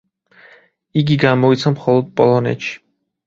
იგი გამოიცა მხოლოდ პოლონეთში.